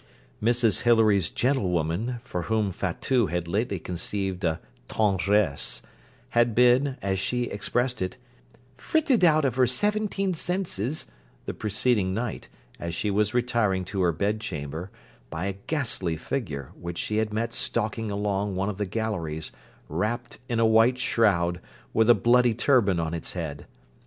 Mrs Hilary's gentlewoman, for whom Fatout had lately conceived a tendresse, had been, as she expressed it, 'fritted out of her seventeen senses' the preceding night, as she was retiring to her bedchamber, by a ghastly figure which she had met stalking along one of the galleries, wrapped in a white shroud, with a bloody turban on its head.